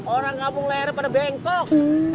orang gabung leher pada bengkok